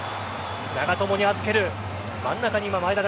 長友に預ける。